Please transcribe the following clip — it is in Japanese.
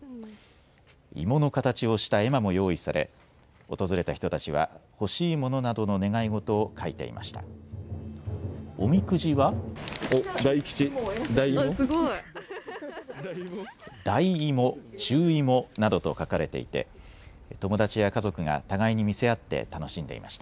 芋の形をした絵馬も用意され訪れた人たちは欲しいものなどの願い事を書いていました。